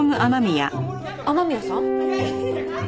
雨宮さん？